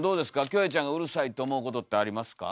キョエちゃんがうるさいって思うことってありますか？